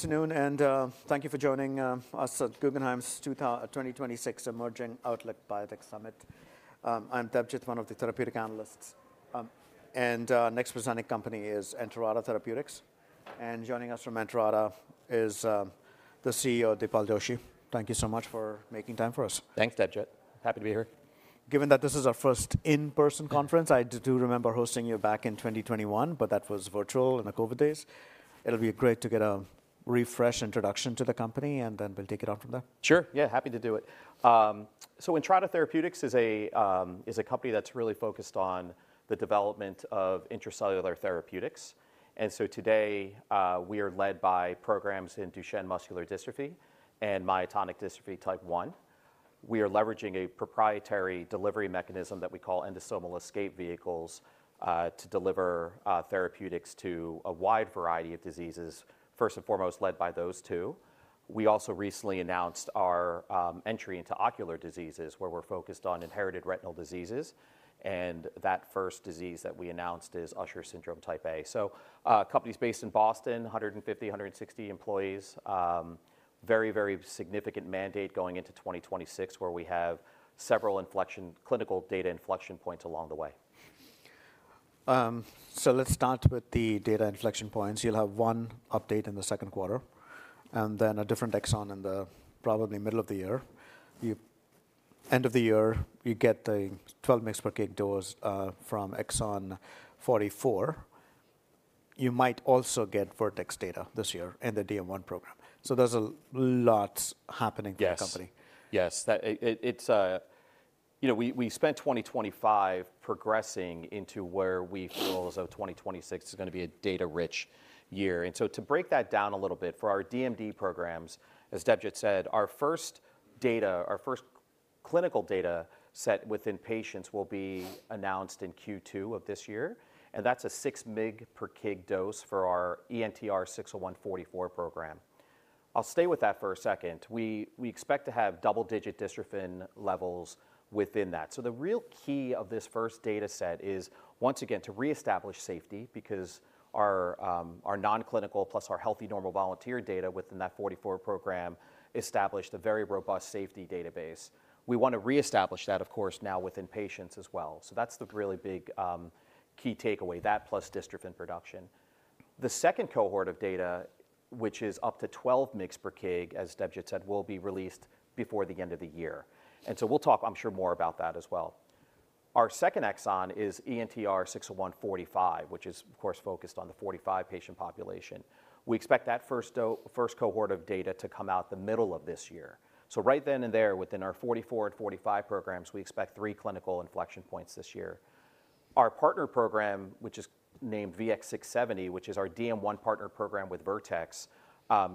Afternoon, and thank you for joining us at Guggenheim's 2026 Emerging Outlook Biotech Summit. I'm Debjit, one of the therapeutic analysts, and next presenting company is Entrada Therapeutics. Joining us from Entrada is the CEO, Dipal Doshi. Thank you so much for making time for us. Thanks, Debjit. Happy to be here. Given that this is our first in-person conference, I do remember hosting you back in 2021, but that was virtual in the COVID days. It'll be great to get a refresh introduction to the company, and then we'll take it on from there. Sure, yeah, happy to do it. So Entrada Therapeutics is a company that's really focused on the development of intracellular therapeutics. And so today we are led by programs in Duchenne muscular dystrophy and myotonic dystrophy type 1. We are leveraging a proprietary delivery mechanism that we call endosomal escape vehicles to deliver therapeutics to a wide variety of diseases, first and foremost led by those two. We also recently announced our entry into ocular diseases, where we're focused on inherited retinal diseases. And that first disease that we announced is Usher syndrome type 1A. So a company's based in Boston, 150-160 employees, very, very significant mandate going into 2026, where we have several inflection clinical data inflection points along the way. So let's start with the data inflection points. You'll have one update in the Q2, and then a different exon in probably the middle of the year. End of the year, you get the 12 mg/kg dose from exon 44. You might also get Vertex data this year in the DM1 program. So there's a lot happening for the company. Yes, yes. You know, we spent 2025 progressing into where we feel as though 2026 is going to be a data-rich year. And so to break that down a little bit for our DMD programs, as Debjit said, our first data our first clinical data set within patients will be announced in Q2 of this year. And that's a 6-mg/kg dose for our ENTR-601-44 program. I'll stay with that for a second. We expect to have double-digit dystrophin levels within that. So the real key of this first data set is, once again, to reestablish safety, because our non-clinical plus our healthy normal volunteer data within that 44 program established a very robust safety database. We want to reestablish that, of course, now within patients as well. So that's the really big key takeaway, that plus dystrophin production. The second cohort of data, which is up to 12 mg/kg, as Debjit said, will be released before the end of the year. And so we'll talk, I'm sure, more about that as well. Our second exon is ENTR-601-45, which is, of course, focused on the 45 patient population. We expect that first cohort of data to come out the middle of this year. So right then and there, within our 44 and 45 programs, we expect three clinical inflection points this year. Our partner program, which is named VX-670, which is our DM1 partner program with Vertex,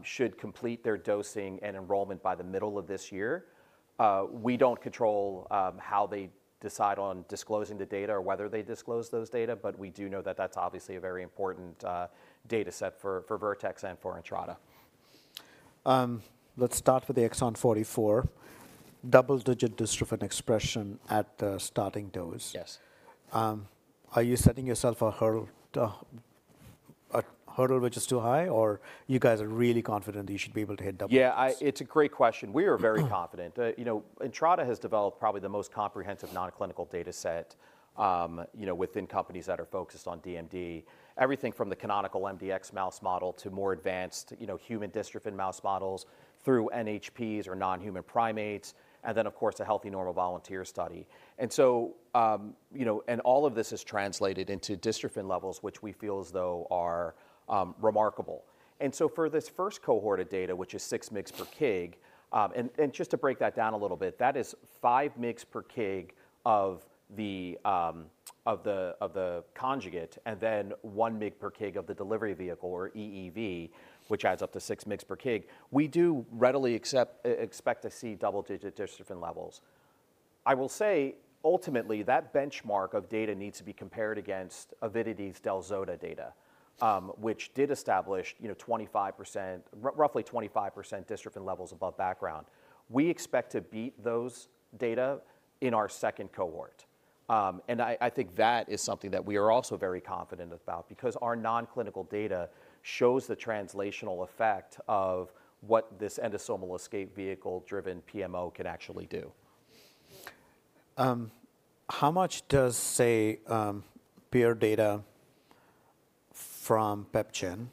should complete their dosing and enrollment by the middle of this year. We don't control how they decide on disclosing the data or whether they disclose those data, but we do know that that's obviously a very important data set for Vertex and for Entrada. Let's start with the exon 44, double-digit dystrophin expression at the starting dose. Are you setting yourself a hurdle which is too high, or you guys are really confident that you should be able to hit double? Yeah, it's a great question. We are very confident. Entrada has developed probably the most comprehensive non-clinical data set within companies that are focused on DMD, everything from the canonical MDX mouse model to more advanced human dystrophin mouse models through NHPs or non-human primates, and then, of course, a healthy normal volunteer study. All of this has translated into dystrophin levels, which we feel as though are remarkable. So for this first cohort of data, which is 6 mg/kg and just to break that down a little bit, that is 5 mg/kg of the conjugate and then 1 mg/kg of the delivery vehicle or EEV, which adds up to 6 mg/kg. We do readily expect to see double-digit dystrophin levels. I will say, ultimately, that benchmark of data needs to be compared against Avidity's del-zota data, which did establish roughly 25% dystrophin levels above background. We expect to beat those data in our second cohort. I think that is something that we are also very confident about, because our non-clinical data shows the translational effect of what this endosomal escape vehicle-driven PMO can actually do. How much does, say, peer data from PepGen,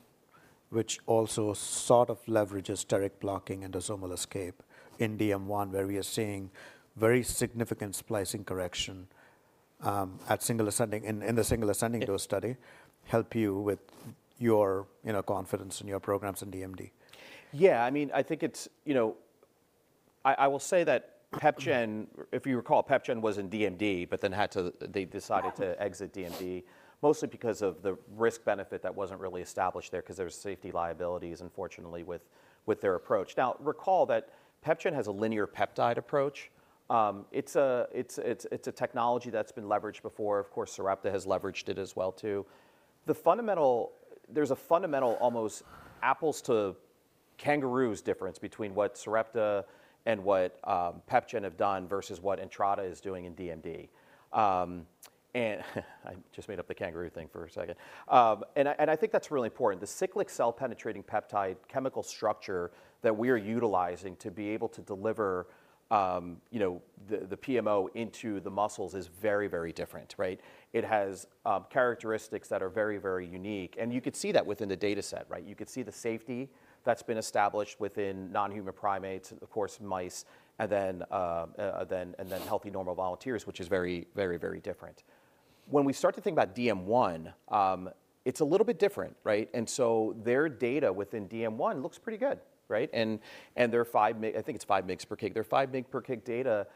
which also sort of leverages direct blocking endosomal escape in DM1, where we are seeing very significant splicing correction in the single ascending dose study, help you with your confidence in your programs in DMD? Yeah, I mean, I think it's—I will say that PepGen, if you recall, PepGen was in DMD but then had to—they decided to exit DMD mostly because of the risk-benefit that wasn't really established there, because there were safety liabilities, unfortunately, with their approach. Now, recall that PepGen has a linear peptide approach. It's a technology that's been leveraged before. Of course, Sarepta has leveraged it as well, too. There's a fundamental, almost apples to kangaroos difference between what Sarepta and what PepGen have done versus what Entrada is doing in DMD. And I just made up the kangaroo thing for a second. And I think that's really important. The cyclic cell-penetrating peptide chemical structure that we are utilizing to be able to deliver the PMO into the muscles is very, very different, right? It has characteristics that are very, very unique. You could see that within the data set, right? You could see the safety that's been established within non-human primates, of course, mice, and then healthy normal volunteers, which is very, very, very different. When we start to think about DM1, it's a little bit different, right? And so their data within DM1 looks pretty good, right? And they're 5, I think it's 5 mg/kg. Their 5 mg/kg data,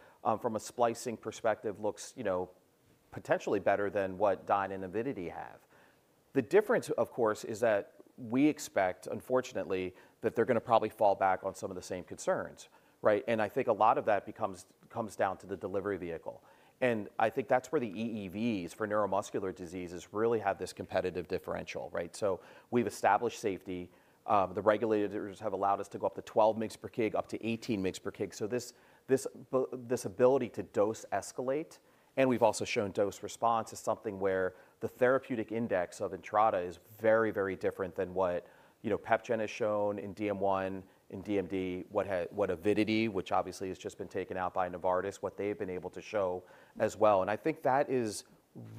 from a splicing perspective, looks potentially better than what Dyne and Avidity have. The difference, of course, is that we expect, unfortunately, that they're going to probably fall back on some of the same concerns, right? And I think a lot of that comes down to the delivery vehicle. And I think that's where the EEVs for neuromuscular diseases really have this competitive differential, right? So we've established safety. The regulators have allowed us to go up to 12 mg/kg, up to 18 mg/kg. So this ability to dose escalate, and we've also shown dose response, is something where the therapeutic index of Entrada is very, very different than what PepGen has shown in DM1, in DMD, what Avidity, which obviously has just been taken out by Novartis, what they've been able to show as well. And I think that is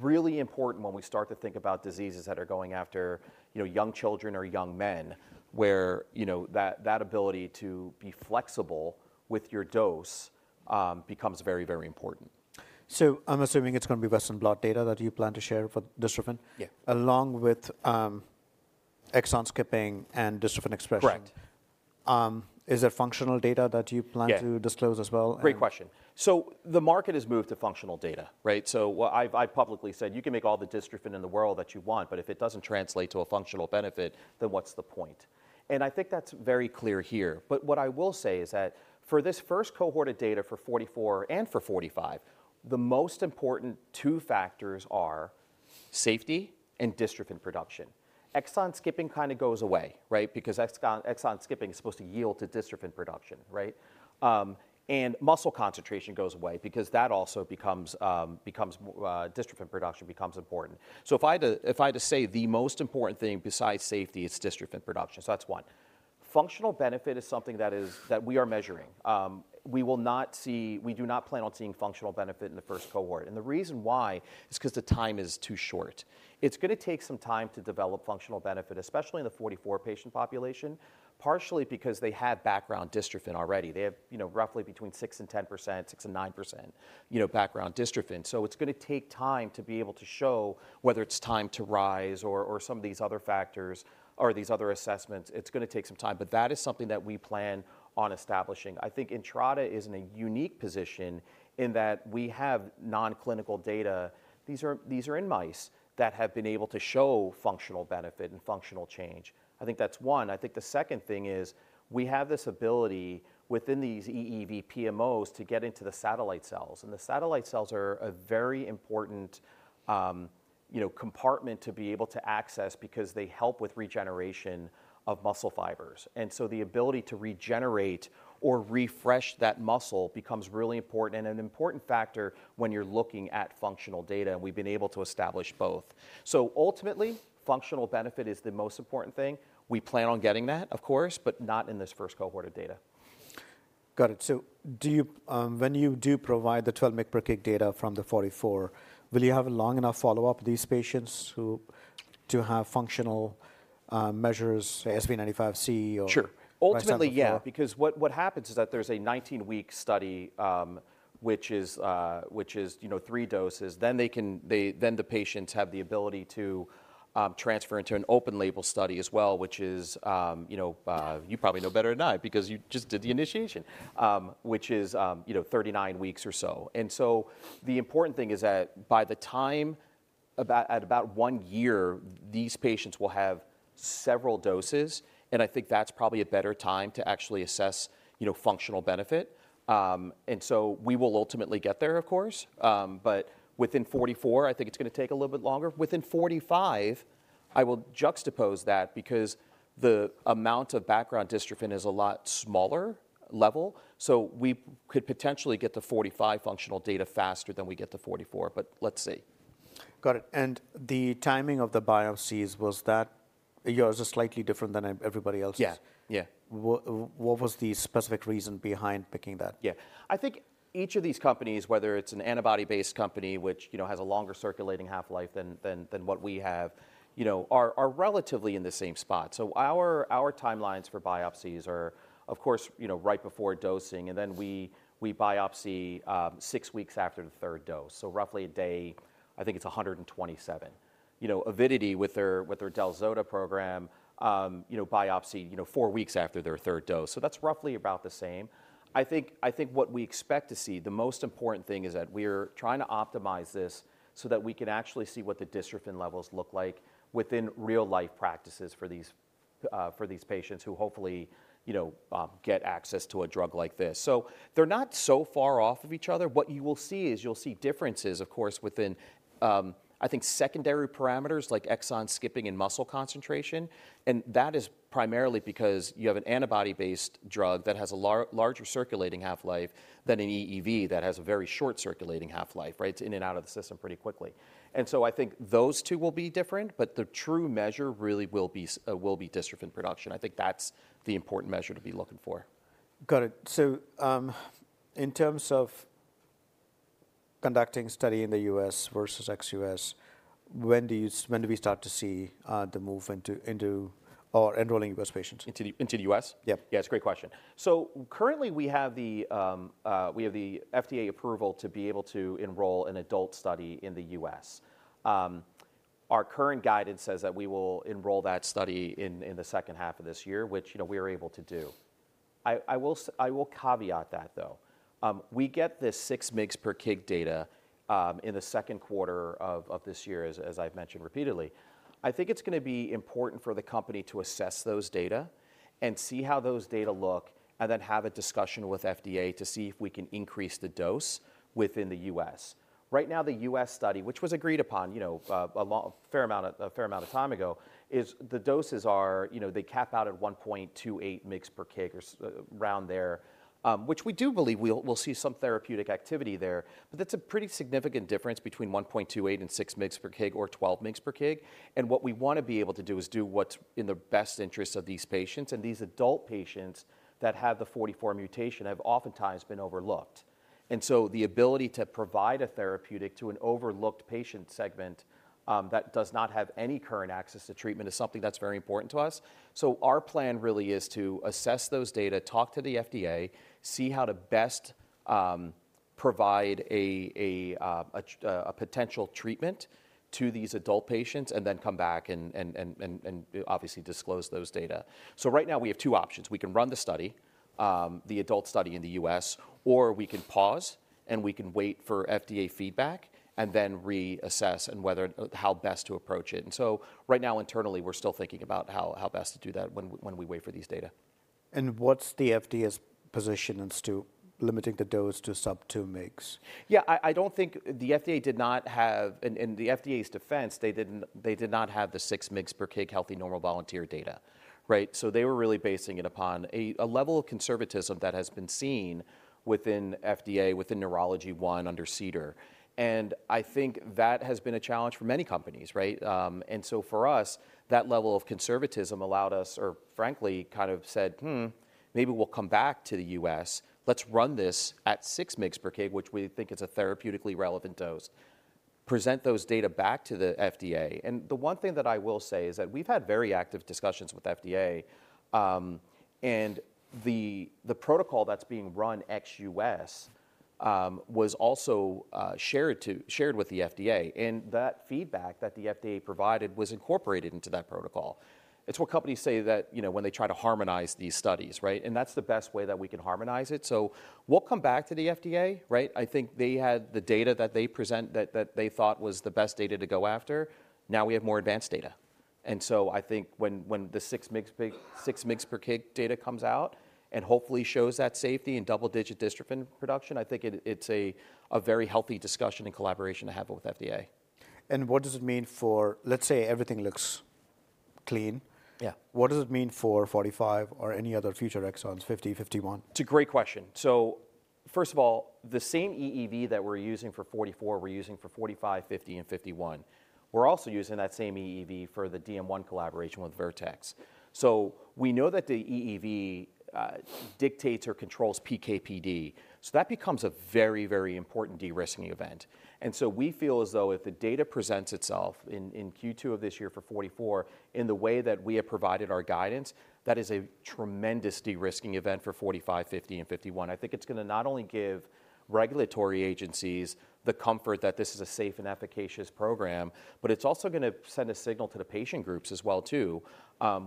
really important when we start to think about diseases that are going after young children or young men, where that ability to be flexible with your dose becomes very, very important. I'm assuming it's going to be Western blot data that you plan to share for dystrophin, along with exon skipping and dystrophin expression. Is there functional data that you plan to disclose as well? Great question. So the market has moved to functional data, right? So I've publicly said, you can make all the dystrophin in the world that you want, but if it doesn't translate to a functional benefit, then what's the point? And I think that's very clear here. But what I will say is that for this first cohort of data for 44 and for 45, the most important two factors are safety and dystrophin production. Exon skipping kind of goes away, right? Because exon skipping is supposed to yield to dystrophin production, right? And muscle concentration goes away because that also becomes dystrophin production becomes important. So if I had to say the most important thing besides safety, it's dystrophin production. So that's one. Functional benefit is something that we are measuring. We will not see. We do not plan on seeing functional benefit in the first cohort. The reason why is because the time is too short. It's going to take some time to develop functional benefit, especially in the 44 patient population, partially because they have background dystrophin already. They have roughly between 6%-10%, 6%-9% background dystrophin. So it's going to take time to be able to show whether it's time to rise or some of these other factors or these other assessments. It's going to take some time. But that is something that we plan on establishing. I think Entrada is in a unique position in that we have non-clinical data. These are in mice that have been able to show functional benefit and functional change. I think that's one. I think the second thing is we have this ability within these EEV PMOs to get into the satellite cells. The satellite cells are a very important compartment to be able to access because they help with regeneration of muscle fibers. The ability to regenerate or refresh that muscle becomes really important and an important factor when you're looking at functional data. We've been able to establish both. Ultimately, functional benefit is the most important thing. We plan on getting that, of course, but not in this first cohort of data. Got it. So when you do provide the 12 mg per kg data from the 44, will you have a long enough follow-up with these patients to have functional measures, say SV95C? Sure. Ultimately, yeah, because what happens is that there's a 19-week study, which is 3 doses. Then the patients have the ability to transfer into an open-label study as well, which is you probably know better than I because you just did the initiation, which is 39 weeks or so. And so the important thing is that by the time, at about 1 year, these patients will have several doses. And I think that's probably a better time to actually assess functional benefit. And so we will ultimately get there, of course. But within 44, I think it's going to take a little bit longer. Within 45, I will juxtapose that because the amount of background dystrophin is a lot smaller level. So we could potentially get to 45 functional data faster than we get to 44. But let's see. Got it. The timing of the biopsies, was that yours slightly different than everybody else's? Yeah, yeah. What was the specific reason behind picking that? Yeah, I think each of these companies, whether it's an antibody-based company, which has a longer circulating half-life than what we have, are relatively in the same spot. So our timelines for biopsies are, of course, right before dosing. And then we biopsy six weeks after the third dose, so roughly a day, I think it's 127. Avidity, with their del-zota program, biopsy four weeks after their third dose. So that's roughly about the same. I think what we expect to see, the most important thing is that we're trying to optimize this so that we can actually see what the dystrophin levels look like within real-life practices for these patients who hopefully get access to a drug like this. So they're not so far off of each other. What you will see is you'll see differences, of course, within, I think, secondary parameters like exon skipping and muscle concentration. And that is primarily because you have an antibody-based drug that has a larger circulating half-life than an EEV that has a very short circulating half-life, right? It's in and out of the system pretty quickly. And so I think those two will be different. But the true measure really will be dystrophin production. I think that's the important measure to be looking for. Got it. So in terms of conducting study in the U.S. versus ex-U.S., when do we start to see the move into or enrolling U.S. patients? Into the U.S.? Yeah. Yeah, it's a great question. So currently, we have the FDA approval to be able to enroll an adult study in the U.S. Our current guidance says that we will enroll that study in the second half of this year, which we are able to do. I will caveat that, though. We get this 6 mg/kg data in the Q2 of this year, as I've mentioned repeatedly. I think it's going to be important for the company to assess those data and see how those data look and then have a discussion with FDA to see if we can increase the dose within the U.S. Right now, the U.S. study, which was agreed upon a fair amount of time ago, is the doses are they cap out at 1.28 mg/kg or around there, which we do believe we'll see some therapeutic activity there. But that's a pretty significant difference between 1.28 and 6 mg/kg or 12 mg/kg. And what we want to be able to do is do what's in the best interest of these patients. And these adult patients that have the 44 mutation have oftentimes been overlooked. And so the ability to provide a therapeutic to an overlooked patient segment that does not have any current access to treatment is something that's very important to us. So our plan really is to assess those data, talk to the FDA, see how to best provide a potential treatment to these adult patients, and then come back and obviously disclose those data. So right now, we have two options. We can run the study, the adult study in the U.S., or we can pause, and we can wait for FDA feedback and then reassess how best to approach it. Right now, internally, we're still thinking about how best to do that when we wait for these data. What's the FDA's position as to limiting the dose to sub 2 megs? Yeah, I don't think the FDA did not have in the FDA's defense, they did not have the 6 mg/kg healthy normal volunteer data, right? So they were really basing it upon a level of conservatism that has been seen within FDA, within Neurology One under CDER. And I think that has been a challenge for many companies, right? And so for us, that level of conservatism allowed us, or frankly, kind of said, maybe we'll come back to the U.S. Let's run this at 6 mg/kg, which we think is a therapeutically relevant dose. Present those data back to the FDA. And the one thing that I will say is that we've had very active discussions with FDA. And the protocol that's being run ex-U.S. was also shared with the FDA. And that feedback that the FDA provided was incorporated into that protocol. It's what companies say that when they try to harmonize these studies, right? And that's the best way that we can harmonize it. So we'll come back to the FDA, right? I think they had the data that they present that they thought was the best data to go after. Now we have more advanced data. And so I think when the 6 mg/kg data comes out and hopefully shows that safety and double-digit dystrophin production, I think it's a very healthy discussion and collaboration to have with FDA. What does it mean for, let's say, everything looks clean? What does it mean for 45 or any other future exons, 50, 51? It's a great question. So first of all, the same EEV that we're using for 44, we're using for 45, 50, and 51. We're also using that same EEV for the DM1 collaboration with Vertex. So we know that the EEV dictates or controls PK/PD. So that becomes a very, very important de-risking event. And so we feel as though if the data presents itself in Q2 of this year for 44 in the way that we have provided our guidance, that is a tremendous de-risking event for 45, 50, and 51. I think it's going to not only give regulatory agencies the comfort that this is a safe and efficacious program, but it's also going to send a signal to the patient groups as well, too,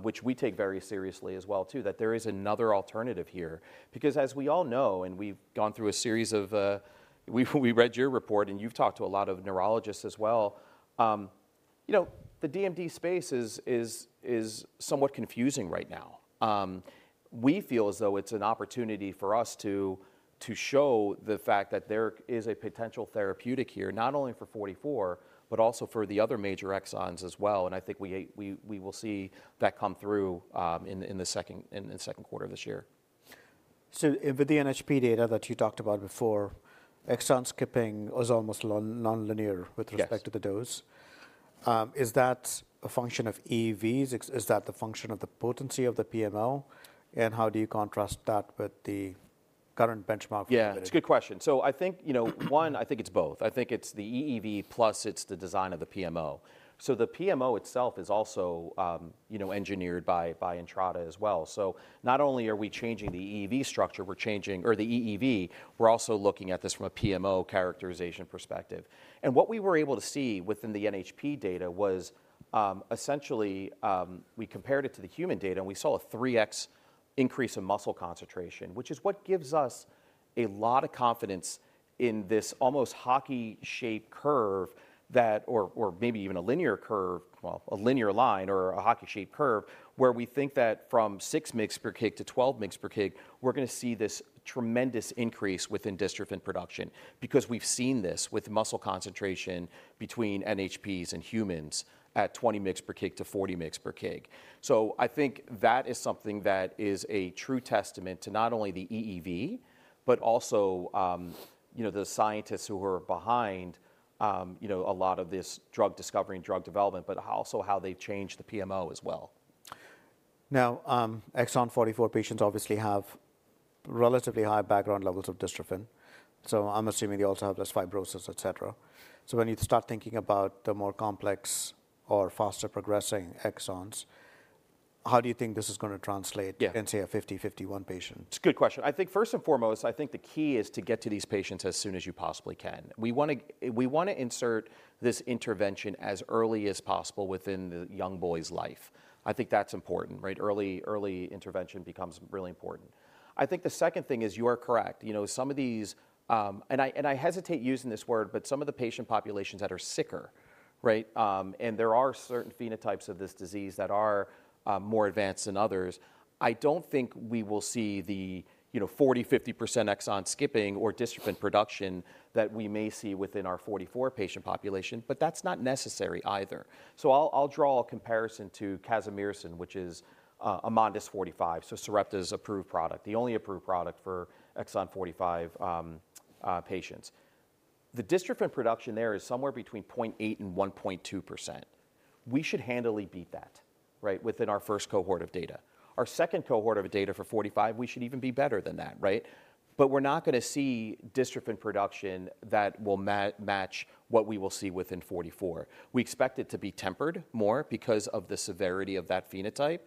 which we take very seriously as well, too, that there is another alternative here. Because as we all know, and we've gone through a series of we read your report, and you've talked to a lot of neurologists as well. The DMD space is somewhat confusing right now. We feel as though it's an opportunity for us to show the fact that there is a potential therapeutic here, not only for 44, but also for the other major exons as well. And I think we will see that come through in the Q2 of this year. So with the NHP data that you talked about before, exon skipping was almost nonlinear with respect to the dose. Is that a function of EEVs? Is that the function of the potency of the PMO? And how do you contrast that with the current benchmark? Yeah, it's a good question. So I think, one, I think it's both. I think it's the EEV plus it's the design of the PMO. So the PMO itself is also engineered by Entrada as well. So not only are we changing the EEV structure, we're changing or the EEV, we're also looking at this from a PMO characterization perspective. What we were able to see within the NHP data was essentially we compared it to the human data, and we saw a 3x increase in muscle concentration, which is what gives us a lot of confidence in this almost hockey-shaped curve that or maybe even a linear curve, well, a linear line or a hockey-shaped curve where we think that from 6 mg/kg to 12 mg/kg, we're going to see this tremendous increase within dystrophin production because we've seen this with muscle concentration between NHPs and humans at 20 mg/kg to 40 mg/kg. So I think that is something that is a true testament to not only the EEV but also the scientists who are behind a lot of this drug discovery and drug development, but also how they've changed the PMO as well. Now, exon 44 patients obviously have relatively high background levels of dystrophin. So I'm assuming they also have less fibrosis, et cetera. So when you start thinking about the more complex or faster progressing exons, how do you think this is going to translate in, say, a 50, 51 patient? It's a good question. I think first and foremost, I think the key is to get to these patients as soon as you possibly can. We want to insert this intervention as early as possible within the young boy's life. I think that's important, right? Early intervention becomes really important. I think the second thing is you are correct. Some of these and I hesitate using this word, but some of the patient populations that are sicker, right? And there are certain phenotypes of this disease that are more advanced than others. I don't think we will see the 40%-50% exon skipping or dystrophin production that we may see within our 44 patient population. But that's not necessary either. So I'll draw a comparison to Casimersen, which is Amondys 45, so Sarepta's approved product, the only approved product for exon 45 patients. The dystrophin production there is somewhere between 0.8%-1.2%. We should handily beat that within our first cohort of data. Our second cohort of data for 45, we should even be better than that, right? But we're not going to see dystrophin production that will match what we will see within 44. We expect it to be tempered more because of the severity of that phenotype.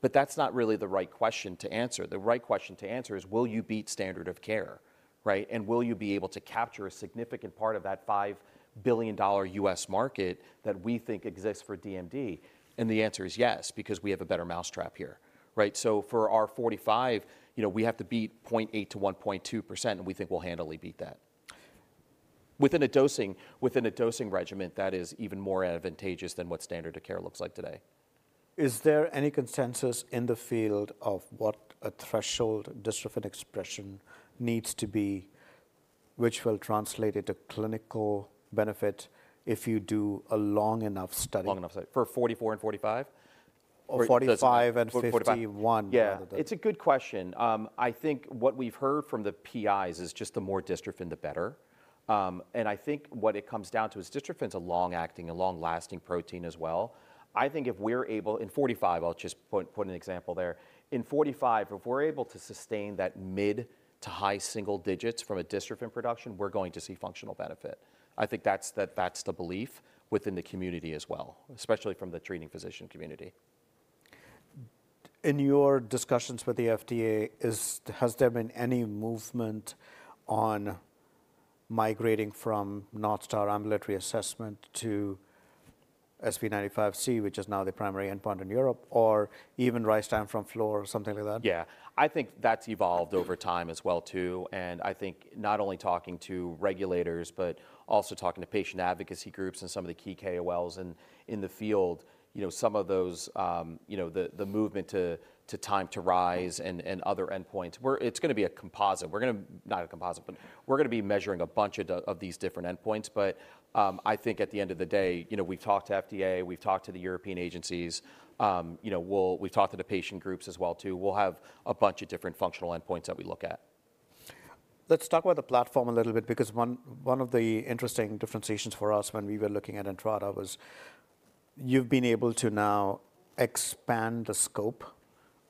But that's not really the right question to answer. The right question to answer is, will you beat standard of care, right? And will you be able to capture a significant part of that $5 billion U.S. market that we think exists for DMD? And the answer is yes, because we have a better mousetrap here, right? So for our 45, we have to beat 0.8%-1.2%, and we think we'll handily beat that within a dosing regimen that is even more advantageous than what standard of care looks like today. Is there any consensus in the field of what a threshold dystrophin expression needs to be, which will translate into clinical benefit if you do a long enough study? Long enough study for 44 and 45? Or 45 and 51. Yeah, it's a good question. I think what we've heard from the PIs is just the more dystrophin, the better. And I think what it comes down to is dystrophin is a long-acting, a long-lasting protein as well. I think if we're able in 45, I'll just put an example there. In 45, if we're able to sustain that mid to high single digits from a dystrophin production, we're going to see functional benefit. I think that's the belief within the community as well, especially from the treating physician community. In your discussions with the FDA, has there been any movement on migrating from North Star Ambulatory Assessment to SV95C, which is now the primary endpoint in Europe, or even Rise Time from Floor, something like that? Yeah, I think that's evolved over time as well, too. And I think not only talking to regulators, but also talking to patient advocacy groups and some of the key KOLs in the field, some of those the movement to Time to Rise and other endpoints where it's going to be a composite. We're going to not a composite, but we're going to be measuring a bunch of these different endpoints. But I think at the end of the day, we've talked to FDA, we've talked to the European agencies. We've talked to the patient groups as well, too. We'll have a bunch of different functional endpoints that we look at. Let's talk about the platform a little bit, because one of the interesting differentiations for us when we were looking at Entrada was you've been able to now expand the scope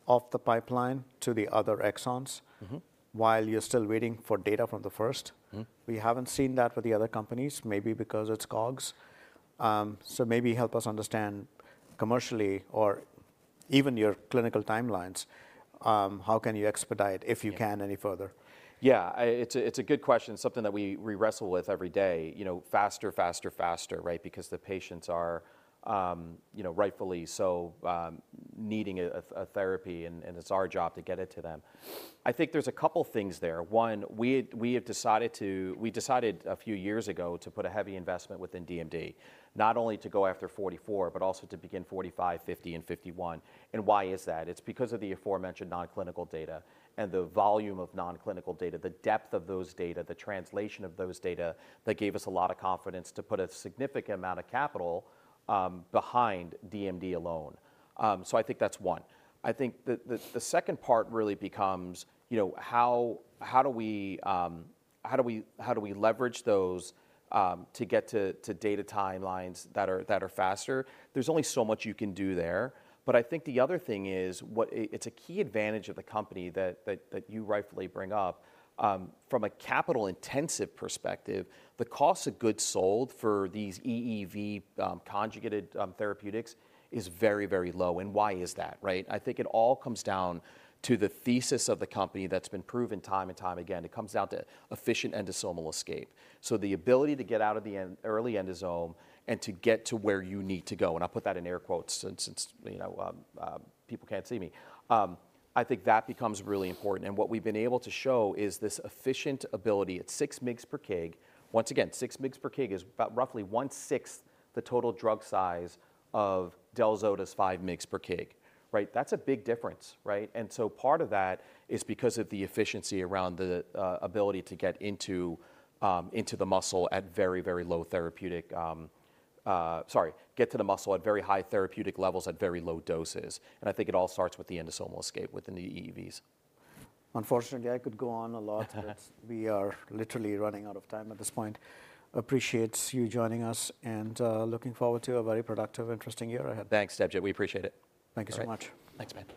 of the pipeline to the other exons while you're still waiting for data from the first. We haven't seen that with the other companies, maybe because it's COGS. So maybe help us understand commercially or even your clinical timelines. How can you expedite if you can any further? Yeah, it's a good question, something that we wrestle with every day. Faster, faster, faster, right? Because the patients are rightfully so needing a therapy, and it's our job to get it to them. I think there's a couple of things there. One, we decided a few years ago to put a heavy investment within DMD, not only to go after 44, but also to begin 45, 50, and 51. And why is that? It's because of the aforementioned non-clinical data and the volume of non-clinical data, the depth of those data, the translation of those data that gave us a lot of confidence to put a significant amount of capital behind DMD alone. So I think that's one. I think the second part really becomes how do we leverage those to get to data timelines that are faster. There's only so much you can do there. But I think the other thing is it's a key advantage of the company that you rightfully bring up. From a capital-intensive perspective, the cost of goods sold for these EEV conjugated therapeutics is very, very low. And why is that, right? I think it all comes down to the thesis of the company that's been proven time and time again. It comes down to efficient endosomal escape. So the ability to get out of the early endosome and to get to where you need to go and I'll put that in air quotes since people can't see me. I think that becomes really important. And what we've been able to show is this efficient ability at 6 mg/kg. Once again, 6 mg/kg is about roughly 1/6 the total drug size of del-zota's 5 mg/kg, right? That's a big difference, right? And so part of that is because of the efficiency around the ability to get into the muscle at very, very low therapeutic sorry, get to the muscle at very high therapeutic levels at very low doses. And I think it all starts with the endosomal escape within the EEVs. Unfortunately, I could go on a lot, but we are literally running out of time at this point. Appreciate you joining us and looking forward to a very productive, interesting year ahead. Thanks, Debjit. We appreciate it. Thank you so much. Thanks, man.